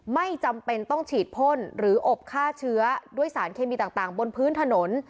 ไม่จำเป็นต้องฉีดพ่นหรืออบฆ่าเชื้อด้วยสารเคมีต่างบนพื้นถนน